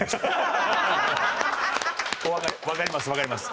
わかりますわかります。